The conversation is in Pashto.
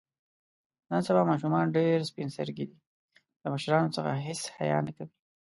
نن سبا ماشومان ډېر سپین سترګي دي. له مشرانو څخه هېڅ حیا نه کوي.